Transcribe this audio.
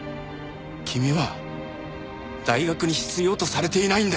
君は大学に必要とされていないんだよ。